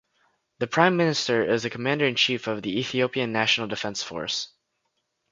The Prime Minister is the commander-in-chief of the Ethiopian National Defense Force.